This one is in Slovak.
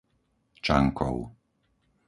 Čankov